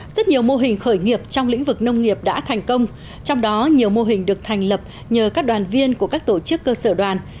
rất nhiều mô hình khởi nghiệp trong lĩnh vực nông nghiệp đã thành công trong đó nhiều mô hình được thành lập nhờ các đoàn viên của các tổ chức cơ sở đoàn